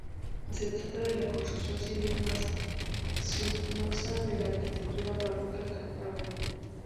Se trata de la construcción civil más suntuosa de la arquitectura barroca cántabra.